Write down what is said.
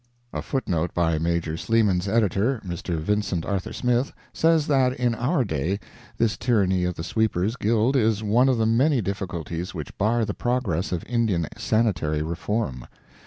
A footnote by Major Sleeman's editor, Mr. Vincent Arthur Smith, says that in our day this tyranny of the sweepers' guild is one of the many difficulties which bar the progress of Indian sanitary reform.